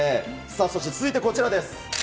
そして続いてこちらです。